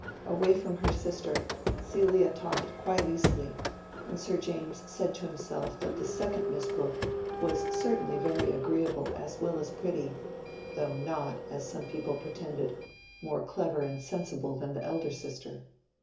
Away from her sister, Celia talked quite easily, and Sir James said to himself that the second Miss Brooke was certainly very agreeable as well as pretty, though not, as some people pretended, more clever and sensible than the elder sister.